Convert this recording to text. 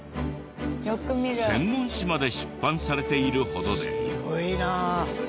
専門紙まで出版されているほどで。